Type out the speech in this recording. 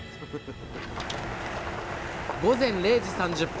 午前０時３０分